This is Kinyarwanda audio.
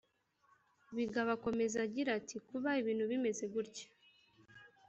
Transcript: Bigabo akomeza agira ati “Kuba ibintu bimeze gutya